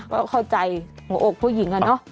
ก็เข้าใจหัวอกผู้หญิงอะเนาะ